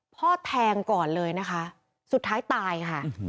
พ่อแทงก่อนเลยนะคะสุดท้ายตายค่ะ